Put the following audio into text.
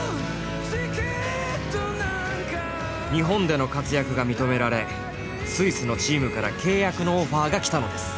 日本での活躍が認められスイスのチームから契約のオファーが来たのです。